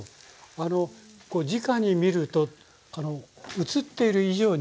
あのじかに見ると映っている以上にね。